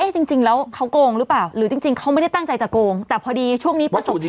แต่มันใครจะทำสมมุติให้ขาดทุน